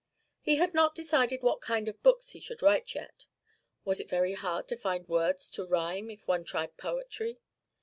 He had not decided what kind of books he should write yet. Was it very hard to find words to rhyme, if one tried poetry?